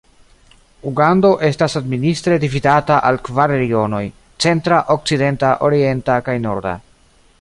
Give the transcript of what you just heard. Ugando estas administre dividata al kvar regionoj: centra, okcidenta, orienta kaj norda.